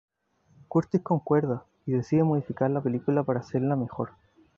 Curtis concuerda, y decide modificar la película para hacerla mejor.